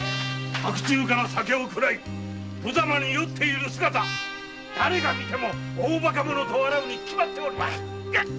白昼から酒をくらいぶざまに酔っている姿だれが見ても大バカ者と笑うに決まっておるわ。